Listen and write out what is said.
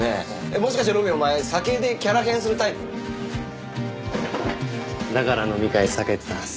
もしかして路敏お前酒でキャラ変するタイプ？だから飲み会避けてたんです。